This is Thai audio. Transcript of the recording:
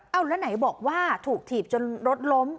เอาแล้วไหนบอกว่าถูกถีบจนรถล้ม